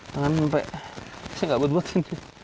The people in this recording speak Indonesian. tangan sampai saya tidak berdua sini